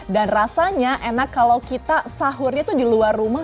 dan rasanya enak kalau kita sahurnya itu di luar rumah